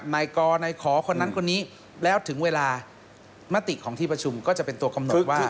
นายกรนายขอคนนั้นคนนี้แล้วถึงเวลามติของที่ประชุมก็จะเป็นตัวกำหนดว่า